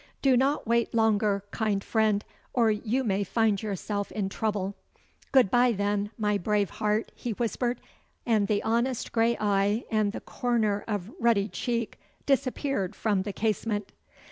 Do not wait longer, kind friend, or you may find yourself in trouble.' 'Good bye then, my brave heart,' he whispered, and the honest grey eye and corner of ruddy cheek disappeared from the casement.